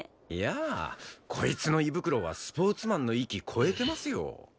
いやあこいつの胃袋はスポーツマンの域超えてますよ。